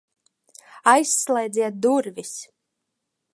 Aizslēdziet durvis!